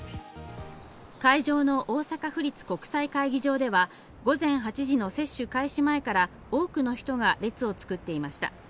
会場の大阪府立国際会議場では午前８時の接種開始前から多くの人が列を作っていました。